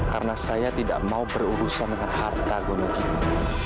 karena saya tidak mau berurusan dengan harta gunung ini